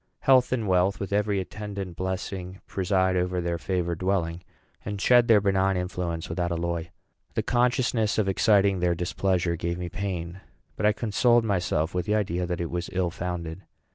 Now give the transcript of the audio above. Health and wealth, with every attendant blessing, preside over their favored dwelling, and shed their benign influence without alloy." The consciousness of exciting their displeasure gave me pain; but I consoled myself with the idea that it was ill founded.